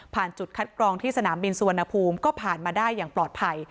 จุดคัดกรองที่สนามบินสุวรรณภูมิก็ผ่านมาได้อย่างปลอดภัย